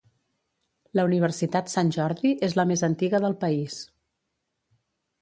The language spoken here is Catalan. La Universitat Sant Jordi és la més antiga del país.